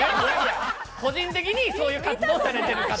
個人的にそういう格好をされてる方。